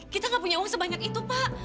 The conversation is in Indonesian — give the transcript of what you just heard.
kita nggak punya uang sebanyak itu pak